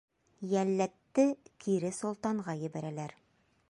Йәлләтте кире солтанға ебәрәләр.